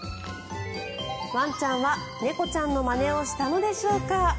ワンちゃんは猫ちゃんのまねをしたのでしょうか？